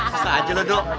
susah aja lo duk